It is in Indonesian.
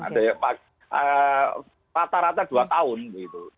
ada yang rata rata dua tahun gitu